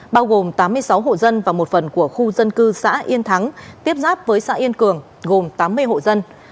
bao gồm tám mươi sáu hộ dân và một phần của khu dân cư xã yên thắng tiếp giáp với xã yên cường gồm tám mươi hộ dân